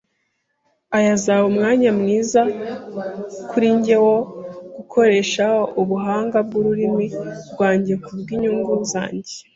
Aya azaba umwanya mwiza kuri njye wo gukoresha ubuhanga bwururimi rwanjye kubwinyungu zanjye.